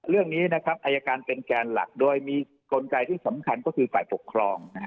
เรื่องนี้นะครับอายการเป็นแกนหลักโดยมีกลไกที่สำคัญก็คือฝ่ายปกครอง